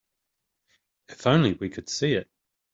If only we could see it.